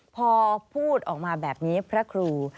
พอพูดออกมาแบบนี้พระครู